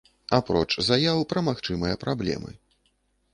Апроч заяў пра магчымыя праблемы.